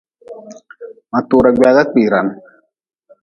Ma tura gwaga kpiran.